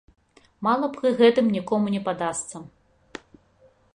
Мала пры гэтым нікому не падасца.